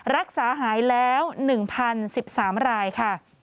รักษาหายแล้ว๑๐๑๓รายค่ะ